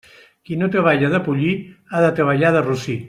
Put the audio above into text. Qui no treballa de pollí, ha de treballar de rossí.